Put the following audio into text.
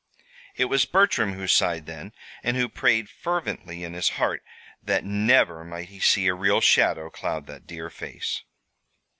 It was Bertram who sighed then, and who prayed fervently in his heart that never might he see a real shadow cloud that dear face.